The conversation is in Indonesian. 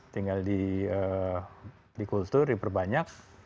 tinggal di culture diperbanyak